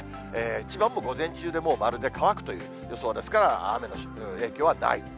千葉も午前中でもう、丸で、乾くという予想ですから、雨の影響はないと。